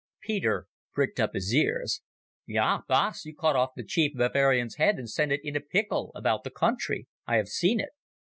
Peter pricked up his ears. "Ja, Baas, you cut off the chief Baviaan's head and sent it in pickle about the country. I have seen it."